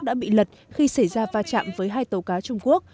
đã bị lật khi xảy ra va chạm với hai tàu cá trung quốc